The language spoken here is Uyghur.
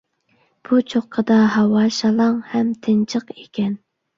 بۇ چوققىدا ھاۋا شالاڭ ھەم تىنچىق ئىكەن.